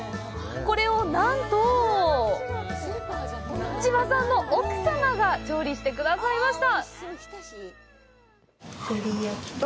これをなんと千葉さんの奥様が調理してくださいました！